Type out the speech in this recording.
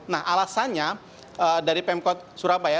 nah alasannya dari pemkot surabaya